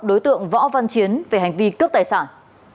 đối tượng võ văn chiến về hành vi cướp tài sản